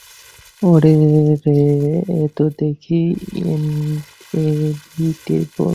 ওরে রে, এ তো দেখি ইনএভিটেবল!